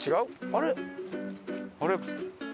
あれ？